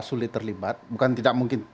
sulit terlibat bukan tidak mungkin